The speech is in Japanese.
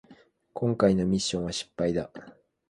こんかいのミッションは失敗だ